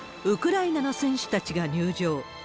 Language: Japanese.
ウクライナの選手たちが入場。